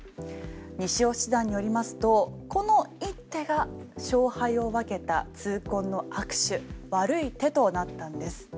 西尾七段によりますとこの一手が勝敗を分けた痛恨の悪手悪い手となったんです。